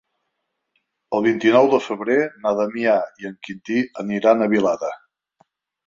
El vint-i-nou de febrer na Damià i en Quintí aniran a Vilada.